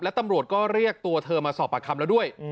ตำรวจก็เรียกตัวเธอมาสอบปากคำแล้วด้วย